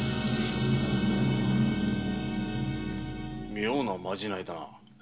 妙なまじないだな。